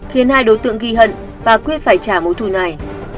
khiến hai đối tượng ghi hận và quê phải trả mối thù này